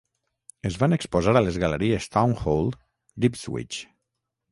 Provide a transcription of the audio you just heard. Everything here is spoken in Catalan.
Es van exposar a les galeries Town Hall d'Ipswich.